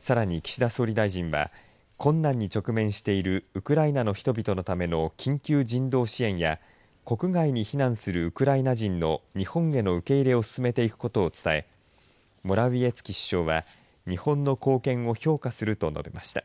さらに岸田総理大臣は困難に直面しているウクライナの人々のための緊急人道支援や国外に避難するウクライナ人の日本への受け入れを進めていくことを伝えモラウィエツキ首相は日本の貢献を評価すると述べました。